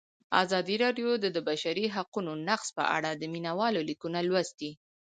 ازادي راډیو د د بشري حقونو نقض په اړه د مینه والو لیکونه لوستي.